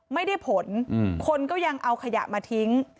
ไม่ได้ผลคนก็ยังเอาขยะมาทิ้ง